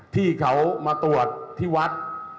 ที่เขามาตรวจที่วัด